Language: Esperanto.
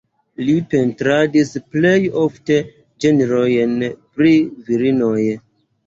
Li pentradis plej ofte ĝenrojn pri virinoj.